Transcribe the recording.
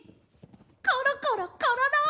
コロコロコロロ！